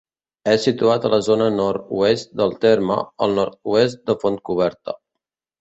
És situat a la zona nord-oest del terme, al nord-oest de Fontcoberta.